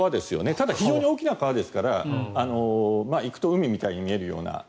ただ、非常に大きな川ですから行くと海みたいに見えるような。